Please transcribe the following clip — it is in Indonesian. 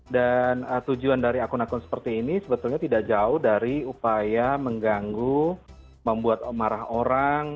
dan tujuan dari akun akun seperti ini sebetulnya tidak jauh dari upaya mengganggu membuat marah orang